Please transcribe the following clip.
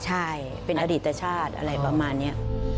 ใช่เป็นอดีตชาติอะไรประมาณนี้